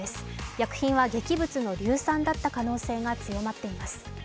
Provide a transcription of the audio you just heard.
薬品は劇物の硫酸だった可能性が強まっています。